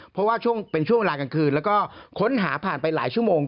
เพราะว่าช่วงเป็นช่วงเวลากลางคืนแล้วก็ค้นหาผ่านไปหลายชั่วโมง